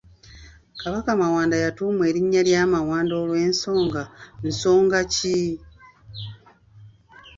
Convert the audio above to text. Kabaka Mawanda yatuumwa erinnya lya Mawanda olw'ensonga, nsonga ki?